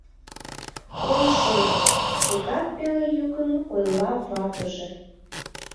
— Ом шоно, — тыгак пеле йӱкын ойла ватыже.